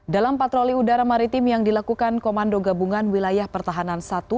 dalam patroli udara maritim yang dilakukan komando gabungan wilayah pertahanan i